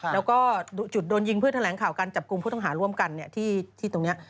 แล้วก็จุดโดนยิงเพื่อแถลงข่าวการจับกลุ่มผู้ต้องหาร่วมกันที่ตรงนี้